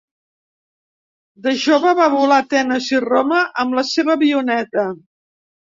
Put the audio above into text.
De jove va volar a Atenes i Roma amb la seva avioneta.